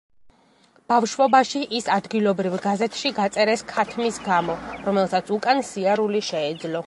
ბავშვობაში ის ადგილობრივ გაზეთში გაწერეს ქათმის გამო, რომელსაც უკან სიარული შეეძლო.